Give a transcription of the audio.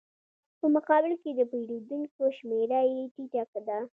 په مقابل کې د پېرودونکو شمېره یې ټیټه ده